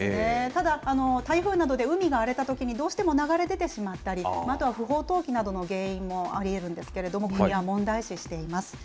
ただ、台風などで海が荒れたときに、どうしても流れ出てしまったり、または不法投棄などの原因もありえるんですけれども、国は問題視しています。